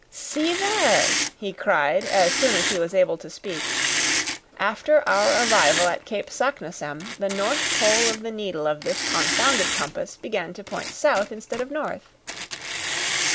"See there," he cried, as soon as he was able to speak. "After our arrival at Cape Saknussemm the north pole of the needle of this confounded compass began to point south instead of north."